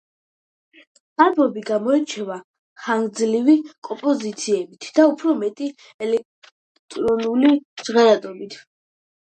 ალბომი გამოირჩევა ხანგრძლივი კომპოზიციებით და უფრო მეტი ელექტრონული ჟღერადობით.